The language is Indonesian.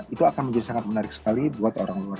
itu akan menjadi sangat menarik sekali buat orang luar